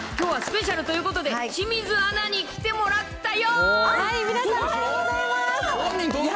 さあさあ、きょうはスペシャルということで、清水アナに来てもらったよ。